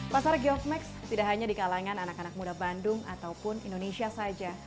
pasar geofmax tidak hanya di kalangan anak anak muda bandung ataupun indonesia saja